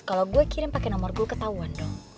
kalau gue kirim pakai nomor gue ketahuan dong